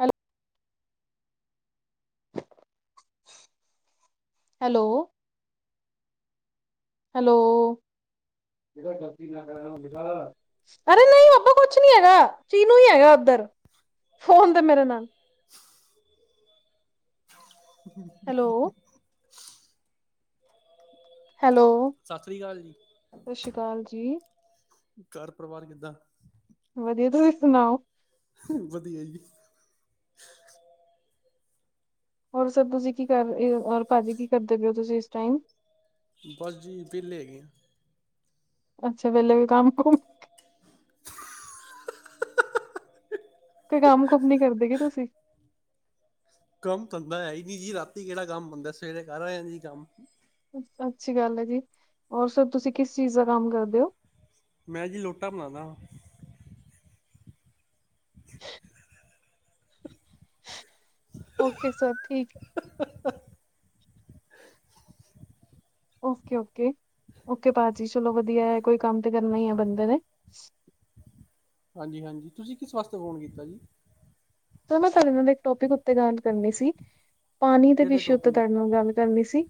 ਹੈਲ hello. Hello. ਅਰੇ ਨਹੀਂ, ਬਾਬਾ ਕੁਛ ਨੀ ਹੈਗਾ ਚੀਨੂੰ ਹੀ ਹੈਗਾ। ਉਧਰ, ਫੋਨ ਤੇ ਮੇਰੇ ਨਾਲ ਹ ਹੈਲੋ [unintelligible] ਹੈਲੋ, ਸਤਿ ਸ੍ਰੀ ਅਕਾਲ ਜੀ ਸਤਿ ਸ਼੍ਰੀ ਅਕਾਲ ਜੀ ਘਰ ਪਰਿਵਾਰ ਕਿੱਦਾਂ ਵਧੀਆ ਤੁਸੀਂ ਸੁਣਾਓ ਵਧੀਆ ਜੀ ਹੋਰ ਸਰ ਤੁਸੀਂ ਕੀ ਕਰ, ਹੋਰ ਭਾਜੀ ਕੀ ਕਰਦੇ ਪਏ ਹੋ, ਤੁਸੀਂ ਇਸ ਟਾਈਮ ਬਸ ਜੀ ਵਿਹਲੇ ਹੈਗੇ ਆਂ ਅੱਛਾ ਵੇਲੇ ਵੀ ਕੰਮ ਕੁਮ ਤੇ ਕੰਮ ਕੁਮ ਨੀ ਕਰਦੇ, ਕੇ ਤੁਸੀਂ ਕੰਮ ਧੰਦਾ ਹੈ ਹੀ ਨੀ ਜੀ, ਰਾਤੀ ਕਿਹੜਾ ਕੰਮ ਹੁੰਦਾ ਏ, ਸਵੇਰੇ ਘਰ ਆਆ ਜੀ ਕੰਮ ਅੱਛੀ ਗੱਲ ਹੈ ਜੀ, ਹੋਰ ਸਰ ਤੁਸੀਂ ਕਿਸ ਚੀਜ਼ ਦਾ ਕੰਮ ਕਰਦੇ ਹੋ ਮੈਂ ਜੀ ਲੋਟਾ ਬਣਾਉਂਦਾ ਵਾਂ [unintelligible] ਓਕੇ ਸਰ, ਠੀਕ [unintelligible] ਓਕੇ ਓਕੇ ਓਕੇ ਭਾਜੀ, ਚਲੋ ਵਧੀਆ ਹੈ, ਕੋਈ ਕੰਮ ਤਾਂ ਕਰਨਾ ਹੀ ਹੈ ਬੰਦੇ ਨੇ ਹਾਂਜੀ ਹਾਂਜੀ, ਤੁਸੀਂ ਕਿਸ ਵਾਸਤੇ ਫੋਨ ਕੀਤਾ ਜੀ ਸਰ ਮੈਂ ਤੁਹਾਡੇ ਨਾਲ ਇੱਕ ਟੋਪਿਕ ਉੱਤੇ ਗੱਲ ਕਰਨੀ ਸੀ, ਪਾਣੀ ਦੇ ਕਿਹੜੇ ਵਿਸ਼ੇ ਉੱਤੇ ਟੋਪਿਕ ਗੱਲ ਕਰਨੀ ਸੀ।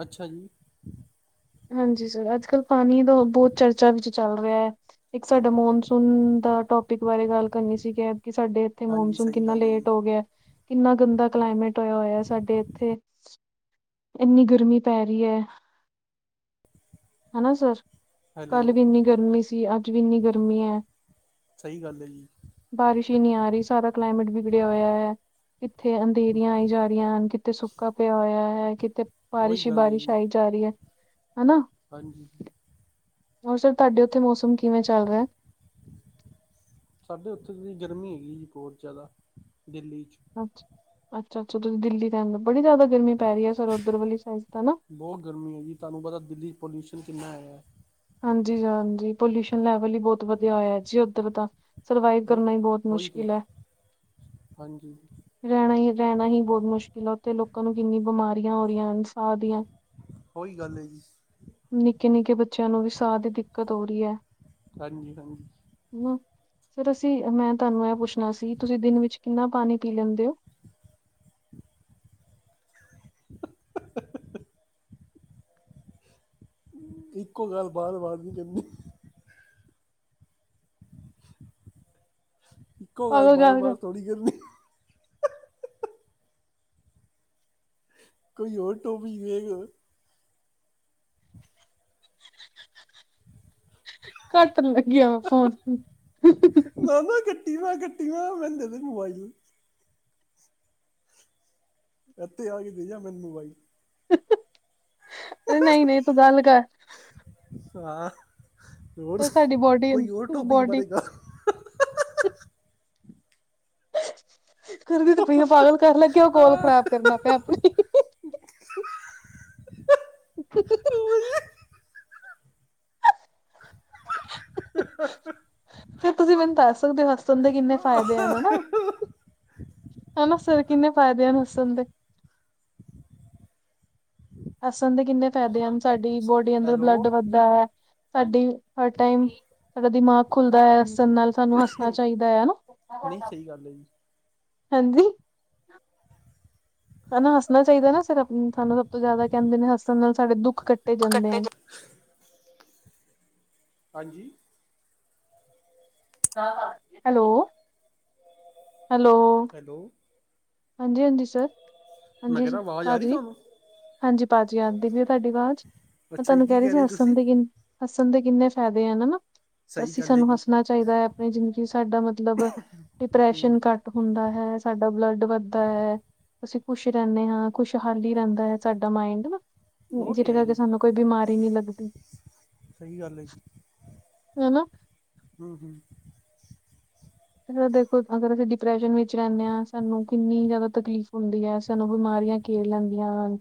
ਅੱਛਾ ਜੀ ਹਾਂਜੀ ਸਰ, ਅੱਜ ਕਲ੍ਹ ਪਾਣੀ ਦਾ ਬਹੁਤ ਚਰਚਾ ਵਿੱਚ ਚੱਲ ਰਿਹਾ ਹੈ। ਇੱਕ ਸਾਡਾ ਮੌਨਸੂਨ ਦਾ ਟੋਪਿਕ ਬਾਰੇ ਗੱਲ ਕਰਨੀ ਸੀਗੀ, ਕਿ ਸਾਡੇ ਇਥੇ ਹਾਂਜੀ ਮਨਸੂਨ ਸਹੀ ਕਿੰਨਾ ਗੱਲ ਹੈ ਜੀ ਲੇਟ ਹੋ ਗਿਆ, ਕਿੰਨਾ ਗੰਦਾ ਕਲਾਈਮੇਟ ਹੋਇਆ ਹੋਇਆ ਸਾਡੇ ਇੱਥੇ ਇੰਨੀ ਗਰਮੀ ਪੈ ਰਹੀ ਹੈ ਹੈਨਾ ਸਰ, ਕੱਲ ਹੈਲੋ ਵੀ ਇੰਨੀ ਗਰਮੀ ਸੀ, ਅੱਜ ਵੀ ਇੰਨੀ ਗਰਮੀ ਹੈ ਸਹੀ ਗੱਲ ਹੈ ਜੀ ਬਾਰਿਸ਼ ਹੀ ਨਹੀਂ ਆ ਰਹੀ, ਸਾਰਾ ਕਲਾਈਮੇਟ ਵਿਗੜਿਆ ਹੋਇਆ ਹੈ, ਇੱਥੇ ਅੰਧੇਰੀਆਂ ਆਈ ਜਾ ਰਹੀ ਹਨ ਕਿਤੇ ਸੁੱਕਾ ਪਿਆ ਹੋਇਆ ਹੈ ਕਿਤੇ ਉਹੀ ਬਾਰਿਸ਼ ਹੀ ਗੱਲ ਹੈ ਬਾਰਿਸ਼ ਜੀ ਆਈ ਜਾ ਰਹੀ ਹੈ, ਹੈਨਾ ਹਾਂਜੀ ਹੋਰ ਸਰ ਤੁਹਾਡੇ ਉੱਥੇ ਮੌਸਮ ਕਿਵੇਂ ਚੱਲ ਰਿਹਾ ਹੈ ਸਾਡੇ ਉੱਥੇ ਗਰਮੀ ਹੈਗੀ ਜੀ, ਬਹੁਤ ਜ਼ਿਆਦਾ ਦਿੱਲੀ 'ਚ ਅੱਛ ਅੱਛਾ ਅੱਛਾ ਤੁਸੀਂ ਦਿੱਲੀ ਰਹਿੰਦੇ ਔ, ਤੇ ਬੜੀ ਜ਼ਿਆਦਾ ਗਰਮੀ ਪੈ ਰਹੀ ਹੈ ਸਰ ਉਓਧਰ ਵਾਲੀ ਸਾਈਡ ਤਾਂ ਨਾ ਬਹੁਤ ਗਰਮੀ ਹੈ ਜੀ, ਤੁਹਾਨੂੰ ਪਤਾ ਦਿੱਲੀ 'ਚ ਪੋਲਿਊਸ਼ਨ ਕਿੰਨਾ ਹੈਗਾ ਐ ਹਾਂਜੀ ਹਾਂਜੀ ਪੋਲਿਊਸ਼ਨ ਲੈਵਲ ਹੀ ਬਹੁਤ ਵਧੀਆ ਹੋਇਆ ਜੀ, ਉੱਧਰ ਤਾਂ ਸਰਵਾਈਵ ਉਹੀ ਕਰਨਾ ਹੀ ਬਹੁਤ ਉਹੀ ਤੇ ਮੁਸ਼ਕਿਲ ਹੈ ਹਾਂਜੀ ਰਹਿਣਾ ਹੀ ਰਹਿਣਾ ਹੀ ਬਹੁਤ ਮੁਸ਼ਕਿਲ ਆ, ਉੱਥੇ ਲੋਕਾਂ ਨੂੰ ਕਿੰਨੀ ਬਿਮਾਰੀਆਂ ਹੋ ਰਹੀਆਂ ਇਨ, ਸਾਹ ਦੀਆਂ ਔ ਹੀ ਗੱਲ ਐ ਜੀ, ਨਿੱਕੇ ਨਿੱਕੇ ਬੱਚਿਆਂ ਨੂੰ ਵੀ ਸਾਹ ਦੀ ਦਿੱਕਤ ਹੋ ਰਹੀ ਹੈ। ਹਾਂਜੀ ਹਾਂਜੀ, ਹ ਸਰ ਅਸੀਂ ਮੈਂ ਤੁਹਾਨੂੰ ਇਹ ਪੁੱਛਣਾ ਸੀ, ਤੁਸੀਂ ਦਿਨ ਵਿੱਚ ਕਿੰਨਾ ਪਾਣੀ ਪੀ ਲੈਂਦੇ ਹੋ? ਇੱਕੋ ਗੱਲ ਬਾਰ ਬਾਰ ਨੀ ਕਰਨੀ ਇੱਕੋ ਗੱਲ ਪਾਗਲ ਬਾਰ ਕਰ ਬਾਰ ਥੋੜੀ ਕਰਨੀਂ ਕੋਈ ਹੋਰ ਟੋਪੀਕ ਵੇਖ ਕੱਟਣ ਲੱਗਿਆ, ਵਾ ਫੋਨ ਨਾ ਨਾ ਕੱਟੀ ਨਾ, ਕੱਟੀ ਨਾ, ਮੈਂਨੂੰ ਦੇ ਦੇ ਮੋਬਾਈਲ, ਇੱਥੇ ਆਕੇ ਦੇ ਜਾ, ਮੈਨੂੰ ਮੋਬਾਈਲ ਅਰੇ ਨਹੀਂ ਨਹੀਂ, ਤੂੰ ਗੱਲ ਕਰ, ਹਾਂ ਹੋਰ, ਸਾਡੀ ਬੋਡੀ ਕੋਈ ਹੋਰ ਟੋਪਿਕ ਬੋਡੀ ਬਾਰੇ ਗਲ ਕਰਦੀ ਤੇ ਪਈ ਆਂ, ਪਾਗਲ ਕਰ ਲੱਗੇ, ਉਹ ਗੋਲ ਖ਼ਰਾਬ ਕਰਨਾ ਪਿਆ ਆਪਣੀ, [unintelligible] ਫੇਰ ਤੁਸੀਂ ਮੈਨੂੰ ਦੱਸ ਸਕਦੇ ਹੋ, ਹੱਸਣ ਦੇ ਕਿੰਨੇ ਫ਼ਾਇਦੇ ਹਨ ਹਨਾ। ਹਨਾ ਸਰ ਕਿੰਨੇ ਫਾਇਦੇ ਨੇ ਹੱਸਣ ਦੇ, ਹੱਸਣ ਦੇ ਕਿੰਨੇ ਫ਼ਾਇਦੇ ਹਨ, ਸਾਡੀ ਬੋਡੀ ਅੰਦਰ ਹੈਲੋ ਬਲੱਡ ਵੱਧਦਾ ਹੈ। ਸਾਡੀ ਹਰ ਟਾਈਮ ਸਾਡਾ ਦਿਮਾਗ ਖੁੱਲਦਾ ਹੈ ਹੱਸਣ ਨਾਲ ਸਾਨੂੰ ਹੱਸਣਾ ਚਾਹੀਦਾ ਹੈ, ਨਾ ਨਹੀਂ ਸਹੀ ਗੱਲ ਹੈ ਜੀ ਹਾਂਜੀ, ਹਨਾ ਹੱਸਣਾ ਚਾਹੀਦਾ ਨਾ, ਸਰ ਸਾਨੂੰ ਸਭ ਤੋਂ ਜ਼ਿਆਦਾ ਕਹਿੰਦੇ ਨੇ ਹੱਸਣ ਨਾਲ ਸਾਡੇ ਦੁੱਖ ਕੱਟੇ ਜਾਂਦੇ ਆ। ਹਾਂਜੀ, ਹੈਲੋ ਹੈਲੋ, ਹੈਲੋ, ਹਾਂਜੀ ਹਾਂਜੀ ਸਰ ਮੈਂ ਹਾਂਜੀ ਕਿਹਾ ਹੁੰਦਾ ਆਵਾਜ਼ ਆ ਰਹੀ ਭਾਜੀ, ਤੁਹਾਨੂੰ ਹਾਂਜੀ, ਭਾਜੀ ਆਦੀਦੀ ਤੁਹਾਡੀ ਆਵਾਜ਼ ਮੈਂ ਅੱਛਾ ਜੀ ਤਾਨੂੰ ਕੀ ਕਹਿ ਰਹੀ ਸੀ ਰਹੇ ਹਸਣ ਤੁਸੀਂ ਦੀ ਕਿ ਹੱਸਣ ਦੇ ਕਿੰਨੇ ਫ਼ਾਇਦੇ ਆ ਹਨਾ ਸਹੀ ਅਸੀਂ ਗੱਲ ਹੈ ਸਾਨੂੰ ਜੀ ਹੱਸਣਾ ਚਾਹੀਦਾ ਹੈ। ਆਪਣੀ ਜ਼ਿੰਦਗੀ ਸਾਡਾ ਮਤਲਬ। ਮਤਲਬ ਡਿਪਰੈਸ਼ਨ ਹੂੰ ਘੱਟ। ਹੁੰਦਾ ਹੈ ਸਾਡਾ ਬਲੱਡ ਵੱਧਦਾ ਹੈ। ਅਸੀਂ ਖੁਸ਼ ਰਹਿੰਦੇ ਹਾਂ ਖੁਸ਼ ਹਾਲੀ ਰਹਿੰਦਾ ਹੈ। ਸਾਡਾ ਮਾਇੰਡ ਨਾ ਉਹ ਤੇ ਜਿਹਦੇ ਹੈ ਕਰਕੇ ਜੀ ਸਾਨੂੰ ਕੋਈ ਬਿਮਾਰੀ ਨਹੀਂ ਲੱਗਦੀ। ਸਹੀ ਗੱਲ ਹੈ। ਹੈ ਨਾ ਹਮ, ਹਮ ਦੇਖੋ ਅਗਰ ਅਸੀਂ ਡਿਪਰੈਸ਼ਨ ਵਿੱਚ ਰਹਿੰਦੇ, ਹਾਂ ਸਾਨੂੰ ਕਿੰਨੀ ਜ਼ਿਆਦਾ ਤਕਲੀਫ਼ ਹੁੰਦੀ ਹੈ। ਸਾਨੂੰ ਬਿਮਾਰੀਆਂ ਘੇਰ ਲੈਂਦੀਆਂ ਹਨ।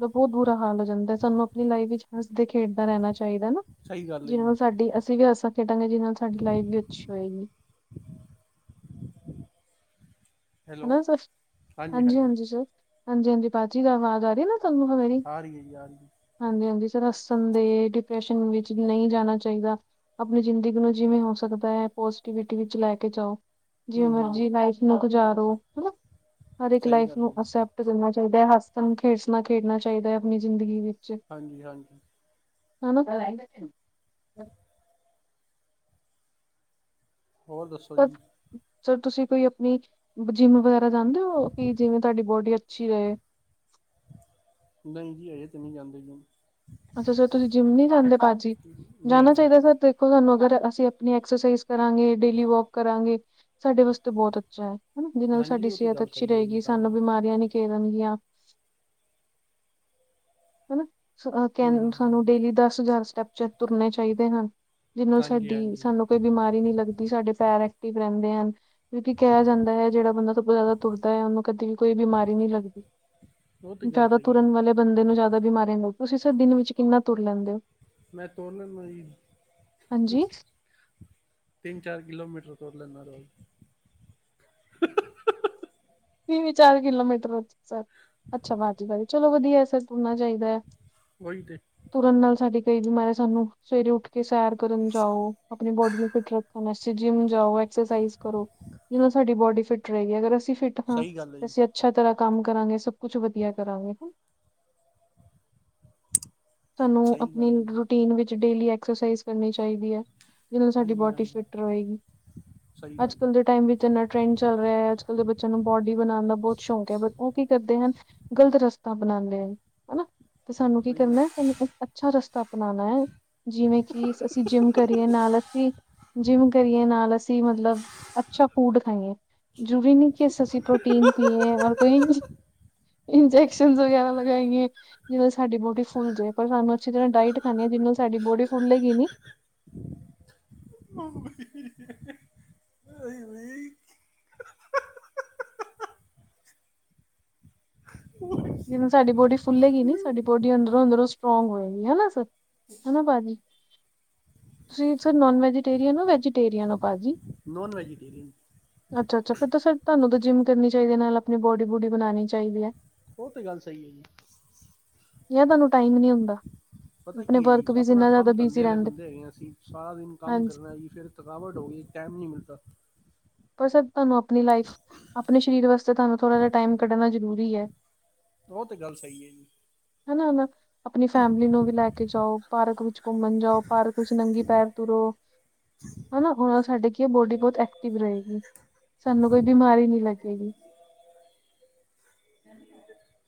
ਬਹੁਤ ਬੁਰਾ ਹਾਲ ਹੋ ਜਾਂਦਾ ਹੈ, ਸਾਨੂੰ ਆਪਣੀ ਲਾਈਫ ਵਿੱਚ ਹੱਸਦੇ ਖੇਡਦੇ ਰਹਿਣਾ ਚਾਹੀਦਾ। ਚਾਹੀਂਦਾ ਸਹੀ ਗੱਲ ਹੈ ਜਿਹਦੇ ਨਾਲ ਜੀ ਸਾਡੀ ਅਸੀਂ ਵੀ ਹਸਾ ਖੇਡਾਂਗੇ। ਜਿਹਦੇ ਨਾਲ ਸਾਡੀ ਲਾਈਫ ਵੀ ਅੱਛੀ ਹੋਏਗੀ। ਹੈਲੋ ਹਨਾ, ਹਾਂਜੀ ਹਾਂਜੀ ਸਰ, ਹਾਂਜੀ-ਹਾਂਜੀ ਪਾਜੀ ਆਵਾਜ਼ ਆ ਰਹੀ ਨਾ ਤੁਹਾਨੂੰ ਮੇਰੀ, ਆ ਰਹੀ ਹੈ ਜੀ ਆ ਰਹੀ ਹੈ ਹਾਂਜੀ ਹਾਂਜੀ ਸਰ ਹੱਸਣ ਦੇ ਡਿਪ੍ਰੈਸ਼ਨ ਵਿੱਚ ਨਹੀਂ ਜਾਣਾ ਚਾਹੀਦਾ। ਆਪਣੀ ਜ਼ਿੰਦਗੀ ਨੂੰ ਜਿਵੇਂ ਹੋ ਸਕਦਾ ਹੈ, ਪੋਜੀਟੀਿਵਿਟੀ ਵਿੱਚ ਲੈ ਕੇ ਜਾਓ। ਜਿਵੇਂ ਹੂੰ ਹੂੰ ਮਰਜ਼ੀ ਲਾਈਫ ਨੂੰ ਗੁਜ਼ਾਰੋ ਹਨਾ, ਹਰ ਇੱਕ ਸਹੀ ਲਾਈਫ ਗੱਲ ਹੈ ਨੂੰ ਜੀ ਅ ਦੇਣਾ ਚਾਹੀਦਾ ਹੈ ਹੱਸਣ ਖੇਡਣਾ ਚਾਹੀਦਾ ਹੈ, ਆਪਣੀ ਜ਼ਿੰਦਗੀ ਵਿੱਚ, ਹਾਂਜੀ ਹਾਂਜੀ, ਹੂੰ, ਹੋਰ ਦੱਸੋ ਪਰ ਜੀ? ਸਰ ਤੁਸੀਂ ਕੋਈ ਆਪਣੀ ਜਿੰਮ ਵਗੈਰਾ ਜਾਂਦੇ ਹੋ ਕਿ ਜਿਵੇਂ ਤੁਹਾਡੀ ਬੋਡੀ ਅੱਛੀ ਰਹੇ। ਨਹੀਂ ਜੀ ਅਜੇ ਤ ਨਹੀਂ ਜਾਂਦੇ, ਅੱਛਾ ਸਰ ਤੁਸੀਂ ਜਿੰਮ ਨੀ ਜਾਂਦੇ ਭਜੀ ਜਾਣਾ ਨਹੀਂ ਜੀ ਚਾਹੀਦਾ, ਸਰ ਦੇਖੋ ਤੁਹਾਨੂੰ ਅਗਰ ਅਸੀਂ ਆਪਣੀ ਐਕਸਰਸਾਈਜ਼ ਕਰਾਂਗੇ ਡੇਲੀ ਵੋਕ ਕਰਾਂਗੇ, ਸਾਡੇ ਵਾਸਤੇ ਬਹੁਤ ਜਿਹਦੇ ਨਾਲ ਹਾਂਜੀ ਸਾਡੀ ਉਹ ਤਾਂ ਸਿਹਤ ਗੱਲ ਅੱਛੀ ਸਹੀ ਹੈ ਜੀ ਰਹੇਗੀ, ਸਾਨੂੰ ਤੁਹਾਡੀ ਬਿਮਾਰੀਆਂ ਨੀ ਘੇਰਣਗੀਆਂ। ਹਨ, ਹੂੰ ਕ ਹੂੰ ਸਾਨੂੰ ਡੇਲੀ ਦਸ ਹਜ਼ਾਰ ਸਟੈਪ ਚ ਤੁਰਨੇ ਚਾਹੀਦੇ ਹਨ, ਜਿਹਨੂੰ ਹਾਂਜੀ ਸਾਡੀ ਹਾਂਜੀ ਸਾਨੂੰ ਕੋਈ ਬਿਮਾਰੀ ਨਹੀਂ ਲੱਗਦੀ, ਸਾਡੇ ਪੈਰ ਐਕਟਿਵ ਰੈਂਦੇ ਹਨ। ਕਿਉਕਿ ਕਿਹਾ ਜਾਂਦਾ ਹੈ, ਜਿਹੜਾ ਬੰਦਾ ਸ ਜ਼ਿਆਦਾ ਤੁਰਦਾ ਹੈ, ਉਹਨੂੰ ਕਦੇ ਵੀ ਕੋਈ ਬਿਮਾਰੀ ਨਹੀਂ ਲੱਗਦੀ। ਉਹ ਤਾਂ ਗੱਲ ਜ਼ਿਆਦਾ ਸਹੀ ਹੈ ਤੁਰਨ ਵਾਲੇ ਬੰਦੇ ਨੂੰ ਜ਼ਿਆਦਾ ਬਿਮਾਰੀ ਨਹੀਂ, ਤੁਸੀਂ ਦਿਨ ਵਿੱਚ ਕਿੰਨਾ ਤੁਰ ਲੈਂਦੇ ਹੋ। ਮੈਂ ਤੁਹਾਨੂੰ ਵੈਰੀ। ਹਾਂਜੀ ਤਿੰਨ ਚਾਰ ਕਿਲੋਮੀਟਰ ਤੁਰ ਲੈਨਾ ਹੈ ਰੋਜ਼। ਤਿੰਨ ਚਾਰ ਕਿਲੋਮੀਟਰ ਸਰ ਅੱਛਾ ਵਾਧ ਵ ਚਲੋ ਵਧੀਆ ਸਰ ਤੁਰਨਾਂ ਚਾਹੀਦਾ। ਉਹੀ ਤੇ ਤੁਰਨ ਨਾਲ ਸਾਡੀ ਕਈ ਬਿਮਾਰੀਆਂ ਸਾਨੂੰ ਸਵੇਰੇ ਉੱਠ ਕੇ ਸੈਰ ਕਰਨ ਜਾਓ, ਆਪਣੀ ਬੋਡੀ ਨੂੰ ਫਿਟ ਰੱਖ ਕਂ ਜਿੰਮ ਜਾਓ ਐਕਸਸਾਈਜ਼ ਕਰੋ, ਜਿਵੇਂ ਸਾਡੀ ਬੋਡੀ ਫਿਟ ਰਹੇਗੀ, ਅਗਰ ਅਸੀਂ ਫਿਟ ਹਾਂ ਸਹੀ ਗੱਲ ਹੈ ਤੇ ਜੀ ਅਸੀਂ ਅੱਛਾ ਤਰ੍ਹਾਂ ਕੰਮ ਕਰਾਂਗੇ, ਸਭ ਕੁਛ ਵਦੀਆ ਕਰਾਂਗੇ ਹਨ। ਤਾਨੂੰ ਸਹੀ ਆਪਣੀ ਗੱਲ ਹੈ ਜੀ ਰੂਟੀਨ ਵਿੱਚ ਡੇਲੀ ਐਕਸਰਸਾਈਜ਼ ਕਰਨੀ ਚਾਹੀਦੀ ਐ, ਜਿਹਦੇ ਨਾਲ ਸਾਡੀ ਹਾਂਜੀ ਬੋਡੀ ਹਾਂਜੀ ਫਿੱਟ ਰਹੇਗੀ, ਸਹੀ ਗੱਲ ਅੱਜ-ਕੱਲ੍ਹ ਦੇ ਹੈ ਟਾਈਮ ਵਿੱਚ। ਜਿੰਨਾ ਟਰੈਂਡ ਚੱਲ ਰਿਹਾ ਐ, ਅੱਜ-ਕੱਲ ਦੇ ਬੱਚਿਆਂ ਨੂੰ ਬੋਡੀ ਬਣਾਣ ਦਾ ਬਹੁਤ ਸ਼ੌਕ ਐ, ਬਟ ਉਹ ਕੀ ਕਰਦੇ ਹਨ। ਗ਼ਲਤ ਰਸਤਾ ਅਪਣਾਂਦੇ ਹਨ, ਹਨਾ। ਤੇ ਸਾਨੂੰ ਕੀ ਸਹੀ ਕਰਨਾ, ਸਾਨੂੰ ਇੱਕ ਅੱਛਾ ਰਸਤਾ ਅਪਣਾਣਾ ਏ। ਜਿਵੇਂ ਕਿ ਅਸੀਂ ਜਿੰਮ ਕਰੀਏ ਨਾਲ, ਅਸੀਂ ਜਿੰਮ ਕਰੀਏ ਨਾਲ ਅਸੀਂ। ਕੀ ਮਤਲਬ ਅੱਛਾ ਫੂਡ ਖਾਈਏ, ਜਰੂਰੀ ਨਹੀਂ। ਕਿ ਅਸੀਂ ਪ੍ਰੋਟੀਨ ਪੀਈਏ, ਔਰ ਕੋਈ ਨਈ। ਇੰਜੈਕਸ਼ਨਜ਼ ਵਗੈਰਾ ਲਗਾਈਏ, ਜਿਵੇ ਸਾਡੀ ਬੋਡੀ ਫੁੱਲ ਜੇ। ਔਰ ਸਾਨੂੰ ਅੱਛੀ ਤਰ੍ਹਾਂ ਡਾਈਟ ਖਾਣੀ ਐ, ਜਿਹਨੂੰ ਸਾਡੀ ਬੋਡੀ ਫੁੱਲੇ ਗੀ ਨਈ। [inaudible] ਹਾਏ ਓਏ ਜਿਵੇਂ ਸਾਡੀ ਬੋਡੀ ਫੁੱਲੇਗੀ ਨੀ, ਸਾਡੀ ਬੋਡੀ ਅੰਦਰੋਂ-ਅੰਦਰੋਂ ਸਟਰੋਂਗ ਹੋਏਗੀ, ਹਨਾ ਸਰ। ਹਨਾ ਭਾਜੀ, ਤੁਸੀਂ ਨੋਨ ਵੈਜੀਟੇਰੀਅਨ ਹੋ ਵੈਜੀਟੇਰੀਅਨ ਹੋ, ਭਾਜੀ। Non vegetarian. ਅੱਛਾ-ਅੱਛਾ, ਫੇਰ ਤਾਂ ਸਰ ਤੁਹਾਨੂੰ ਤਾਂ ਜਿੰਮ ਕਰਨੀ ਚਾਹੀਦੀ ਐ, ਨਾਲ ਆਪਣੀ ਬੋਡੀ ਬੂਡੀ ਬਣਾਣੀ ਚਾਹੀਦੀ ਐ। ਉਹ ਤੇ ਗੱਲ ਸਹੀ ਏ ਜੀ। ਜਾਂ ਤੁਹਾਨੂੰ ਟਾਈਮ ਨੀ ਹੁੰਦਾ। ਪਤਾ ਆਪਣੇ ਕੀ ਐ ਜੀ, ਵਰਕ ਵਿੱਚ ਆਪਣਾ ਇੰਨਾ ਕੰਮ ਜ਼ਿਆਦਾ ਧੰਦੇ ਬਿਜ਼ੀ ਵਾਲੇ ਰਹਿੰਦੇ ਬੰਦੇ ਹੈਗੇ ਆ ਅਸੀ, ਸਾਰਾ ਦਿਨ ਕੰਮ ਹਾਂਜੀ ਕਰਨਾ ਜੀ ਫੇਰ। ਥਕਾਵਟ ਹੋਗੀ, ਟੈਮ ਨੀ ਮਿਲਦਾ। ਪਰ ਸਰ ਤੁਹਾਨੂੰ ਆਪਣੀ ਲਾਈਫ ਆਪਣੇ ਸਰੀਰ ਵਾਸਤੇ ਤੁਹਾਨੂੰ ਥੋੜ੍ਹਾ ਜਾ ਟੈਮ ਕੱਢਣਾ ਜ਼ਰੂਰੀ ਐ। ਉਹ ਤੇ ਗੱਲ ਸਹੀ ਏ ਜੀ। ਹਨਾ-ਹਨਾ ਆਪਣੀ ਫੈਮਿਲੀ ਨੂੰ ਵੀ ਲੈ ਕੇ ਜਾਓ। ਪਾਰਕ ਵਿੱਚ ਘੁੰਮਣ ਜਾਓ, ਪਾਰਕ ਵਿੱਚ ਨੰਗੀ ਪੈਰ ਤੁਰੋ। ਹਨਾ ਹੁਣ ਸਾਡੇ ਕੀ ਆ ਬੋਡੀ ਬਹੁਤ ਐਕਟਿਵ ਰਹੇਗੀ, ਸਾਨੂੰ ਕੋਈ ਬਿਮਾਰੀ ਨਈ ਲੱਗੇਗੀ। [unintelligible]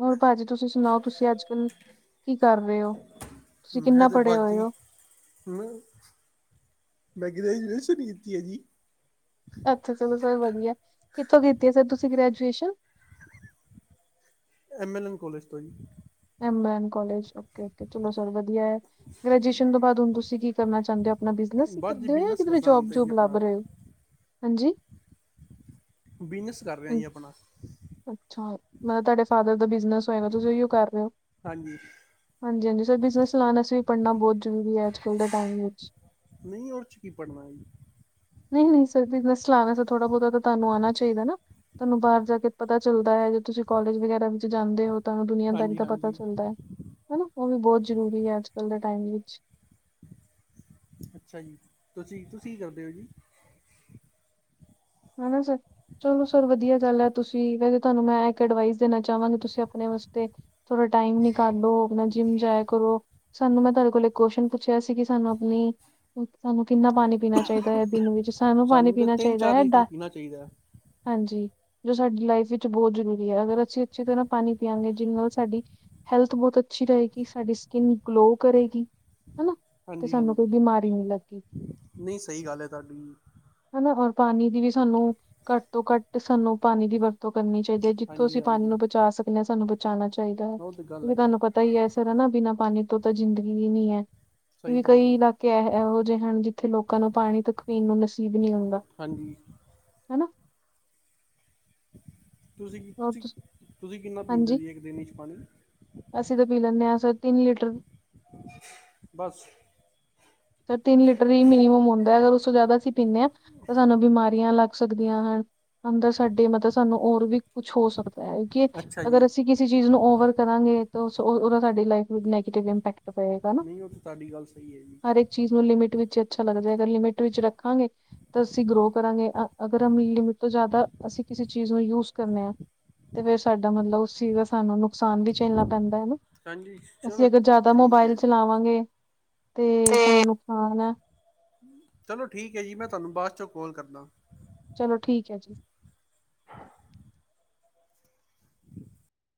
ਹੋਰ ਭਾਜੀ ਤੁਸੀਂ ਸੁਣਾਓ, ਤੁਸੀਂ ਅੱਜ-ਕੱਲ ਕੀ ਕਰ ਰਹੇ ਹੋ, ਤੁਸੀਂ ਕਿੰਨਾ ਪੜ੍ਹੇ ਹੋਏ ਹੋ। ਨਹੀਂ, ਮੈਂ ਗ੍ਰੈਜੂਏਸ਼ਨ ਕੀਤੀ ਐ ਜੀ। ਅੱਛਾ ਚਲੋ ਸਰ ਵਧੀਆ, ਕਿੱਥੋਂ ਕੀਤੀ ਹੈ ਸਰ ਤੁਸੀਂ graduation. M L N college ਤੋਂ ਜੀ। ਐਮ ਐਮ ਕਾਲਜ ਓਕੇ-ਓਕੇ, ਚਲੋ ਸਰ ਵਧੀਆ, ਗਰੈਜੂਏਸ਼ਨ ਤੋਂ ਬਾਅਦ ਹੁਣ ਤੁਸੀਂ ਕੀ ਕਰਨਾ ਚਾਂਹਦੇ ਹੋ। ਆਪਣਾ ਬਿਜਨਸ ਹੀ ਬਸ ਜੀ ਕਰਦੇ ਹੋ, ਜਾਂ ਬਿਜ਼ਨਸ ਕਿਧਰੇ ਕਰਨਾ ਹੁਣ ਜੋਬ ਤੇ ਜੀ ਜੂਬ ਲੱਭ ਆਪਣਾ ਰਹੇ ਹੋ, ਹਾਂਜੀ। ਬਿਜਨਸ ਕਰ ਰਿਹਾ ਜੀ ਆਪਣਾ। ਨਾਲ ਤੁਹਾਡੇ ਫਾਦਰ ਦਾ ਬਿਜਨਸ ਹੋਏਗਾ, ਤੁਸੀਂ ਉਹੀ ਕਰ ਰਹੇ ਹੋ। ਹਾਂਜੀ, ਹਾਂਜੀ-ਹਾਂਜੀ, ਸਰ ਬਿਸਮ ਸਲਾਮ ਅਸੀਂ ਵੀ ਪੜਨਾ ਬਹੁਤ ਜਰੂਰੀ ਐ, ਅੱਜ ਕੱਲ ਦੇ ਟਾਈਮ ਵਿੱਚ। ਨਹੀਂ ਉਹ ਚ ਕੀ ਪੜ੍ਹਨਾ ਐ ਜੀ। ਨਹੀਂ-ਨਹੀਂ, ਸਰ ਬਿਜਨਸ ਚਲਾਣਾ ਤੇ ਥੋੜਾ ਬਹੁਤਾ ਤੁਹਾਨੂੰ ਆਣਾ ਚਾਹੀਦਾ ਨਾ। ਤੁਹਾਨੂੰ ਬਾਹਰ ਜਾ ਕੇ ਪਤਾ ਚੱਲਦਾ ਐ, ਜੇ ਤੁਸੀਂ ਕੋਲਜ ਵਗੈਰਾ ਵਿੱਚ ਜਾਂਦੇ ਹੋ। ਤਾਂ ਦੁਨੀਆਂਦਾਰੀ ਹਾਂਜੀ ਦਾ ਪਤਾ ਹਾਂਜੀ ਚੱਲਦਾ ਐ, ਹਨਾ ਉਹ ਵੀ ਬਹੁਤ ਜ਼ਰੂਰੀ ਐ ਅੱਜ-ਕੱਲ੍ਹ ਦੇ ਟਾਈਮ ਵਿੱਚ। ਅੱਛਾ ਜੀ, ਤੁਸੀਂ-ਤੁਸੀਂ ਕੀ ਕਰਦੇ ਹੋ ਜੀ। ਹਨਾ ਜੀ [inaudible] ਚਲੋ ਸਰ ਵਧੀਆ ਗੱਲ ਐ, ਤੁਸੀਂ ਵੇ ਤੁਹਾਨੂੰ ਮੈਂ ਇੱਕ ਅਡਵਾਈਜ਼ ਦੇਣਾ ਚਾਹਵਾਂਗੀ, ਤੁਸੀਂ ਆਪਣੇ ਵਾਸਤੇ ਥੋੜਾ ਟਾਈਮ ਨਿਕਾਲ ਲੋ, ਆਪਣਾ ਜਿੰਮ ਜਾਇਆ ਕਰੋ। ਸਾਨੂੰ ਮੈਂ ਤੁਹਾਡੇ ਕੋਲੋਂ ਇੱਕ ਕੁਅਸ਼ਚਨ ਪੁੱਛਿਆ ਸੀ, ਕਿ ਸਾਨੂੰ ਆਪਣੀ ਸਾਨੂੰ ਕਿੰਨਾ ਪਾਣੀ ਪੀਣਾ ਚਾਹੀਦਾ ਐ ਦਿਨ ਵਿੱਚ, ਸਾਨੂੰ ਪਾਣੀ ਪੀਣਾ ਚਾਹੀਦਾ ਐ, ਡਸ ਪੀਨਾ ਚਾਹੀਦਾ। ਹਾਂਜੀ। ਜੋ ਸਾਡੀ ਲਾਈਫ ਵਿੱਚ ਬਹੁ ਜ਼ਰੂਰੀ ਐ, ਅਗਰ ਅਸੀਂ ਅੱਛੀ ਤਰ੍ਹਾਂ ਪਾਣੀ ਪੀਆਂਗੇ, ਜਿਹਦੇ ਨਾਲ ਸਾਡੀ ਹੈਲਥ ਬਹੁਤ ਅੱਛੀ ਰਹੇਗੀ, ਸਾਡੀ ਸਕਿੰਨ ਗਲੋ ਕਰੇਗੀ, ਹੈਨਾ। ਤੇ ਹਾਂਜੀ ਸਾਨੂੰ ਹਾਂਜੀ ਕੋਈ ਬਿਮਾਰੀ ਨਹੀਂ ਲੱਗਦੀ। ਨਹੀਂ ਸਹੀ ਗੱਲ ਹੈ ਤੁਹਾਡੀ ਹਨਾ ਔਰ ਪਾਣੀ ਦੀ ਵੀ ਸਾਨੂੰ ਘੱਟ ਤੋਂ ਘੱਟ, ਸਾਨੂੰ ਪਾਣੀ ਦੀ ਵਰ ਕਰਨੀ ਚਾਹੀਦੀ ਹੈ ਜਿੱਥੋਂ ਅਸੀਂ ਹਾਂਜੀ ਪਾਣੀ ਹਾਂਜੀ ਨੂੰ ਬਚਾ ਸਕਦੇ ਹਾਂ ਸਾਨੂੰ ਬਚਾਣਾ ਚਾਹੀਦਾ ਹੈ ਉਹ ਤਾਂ ਗੱਲ ਕਿਉਂਕਿ ਹੈ ਜੀ ਤੁਹਾਨੂੰ ਪਤਾ ਤਾਂ ਹੀ ਅਸਰ ਹੈ ਨ ਬਿਨਾਂ ਪਾਣੀ ਤੋਂ ਤਾਂ ਜ਼ਿੰਦਗੀ ਹੀ ਨਹੀਂ ਹੈ ਸਹੀ ਕਿ ਗੱਲ ਹੈ ਕਈ ਜੀ ਇਲਾਕੇ ਇਹ ਇਹੋ ਜਿਹੇ ਹਨ ਜਿੱਥੇ ਲੋਕਾਂ ਨੂੰ ਪਾਣੀ ਤ ਪੀਣ ਨੂੰ ਨਸੀਬ ਨਹੀਂ ਆਂਦਾ ਹਾਂਜੀ ਹਨਾ [inaudible] ਤੁਸੀਂ ਹੋਰ ਤੁਸੀਂ ਤੁਸੀਂ ਕਿੰਨਾ ਪੀਂਦੇ ਹੋ ਹਾਂਜੀ ਜੀ ਇੱਕ ਦਿਨ 'ਚ ਪਾਣੀ ਅਸੀਂ ਤਾਂ ਪੀ ਲੈਂਦੇ ਹਾਂ ਤਿੰਨ ਲੀਟਰ ਬਸ ਤਿੰਨ ਲੀਟਰ ਹੀ ਮਿਨੀਮ ਮ ਹੁੰਦਾ ਹੈ ਅਗਰ ਉਸ ਤੋਂ ਜ਼ਿਆਦਾ ਅਸੀਂ ਪੀਂਦੇ ਹਾਂ ਤਾਂ ਸਾਨੂੰ ਬਿਮਾਰੀਆਂ ਲੱਗ ਸਕਦੀਆਂ ਹਨ ਅੰਦਰ ਸਾਡੇ ਮਤਲਬ ਸਾਨੂੰ ਹੋਰ ਵੀ ਕੁਛ ਹੋ ਸਕਦਾ। ਪ ਕਿ ਅੱਛਾ ਜੀ ਅਗਰ ਅਸੀਂ ਕਿਸ ਸੀ ਚੀਜ਼ ਨੂੰ ਓਵਰ ਕਰਾਂਗੇ ਤਾਂ ਉਹਦਾ ਸਾਡੀ ਲਾਈਫ ਵਿੱਚ ਨੈਗੇਟਿਵ ਇੰਪੈਕਟ ਪਏਗਾ ਤੇ ਤੁਹਾਡੀ ਗੱਲ ਸਹੀ ਹੈ ਹਰੇਕ ਚੀਜ਼ ਨੂੰ ਲਿਮਿਟ ਵਿੱਚ ਅੱਛਾ ਲੱਗਦਾ ਹੈ ਅ ਲਿਮਿਟ ਵਿੱਚ ਰੱਖਾਂਗੇ ਤਾਂ ਅਸੀਂ ਗਰੋ ਕਰਾਂਗੇ ਅਗਰ ਲਿਮਟ ਤੋਂ ਜ਼ਿਆਦਾ ਅਸੀਂ ਕਿਸੇ ਚੀਜ਼ ਨੂੰ ਯੂਜ ਕਰੇ ਹਾ, ਤੇ ਫੇਰ ਸਾਡਾ ਮਤਲਬ ਉਸ ਚੀਜ਼ ਦਾ ਸਾਨੂੰ ਨੁਕਸਾਨ ਵੀ ਝੇਲਣਾ ਪੈਂਦਾ ਹਨਾ। ਹਾਂਜੀ ਅਸੀਂ ਚਲੋ ਅਗਰ ਜ਼ਿਆਦਾ ਠੀਕ ਮੋਬਾਇਲ ਹੈ ਜੀ ਚਲਾਵਾਂਗੇ ਤੇ ਸਾਨੂੰ ਨੁਕਸਾਨ ਹੈ। ਚਲੋ ਠੀਕ ਹੈ ਜੀ, ਮੈਂ ਤੁਹਾਨੂੰ ਬਾਅਦ ਚੋਂ ਕਾਲ ਕਰਦਾ। ਚਲੋ ਠੀਕ ਹੈ ਜੀ,